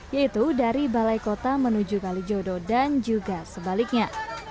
yaitu dari balai kota menuju kalijodo dan juga sebaliknya